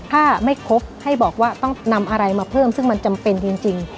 ถ้าไม่ครบให้บอกว่าต้องนำอะไรมาเพิ่มซึ่งมันจำเป็นจริง